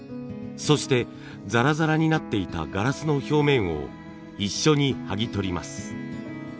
そしてザラザラになっていたガラスの表面を一緒に剥ぎ取ります。